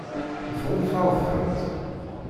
Tɣunfaḍ-tent?